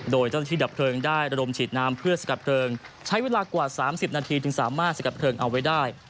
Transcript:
โดยเจ้าหน้าที่ดับเพลิงได้ระดมฉีดน้ำเพื่อสกัดเพลิงใช้เวลากว่า๓๐นาทีจึงสามารถสกัดเพลิงเอาไว้ได้